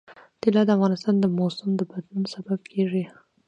طلا د افغانستان د موسم د بدلون سبب کېږي.